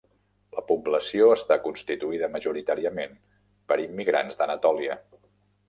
La població està constituïda majoritàriament per immigrants d'Anatòlia.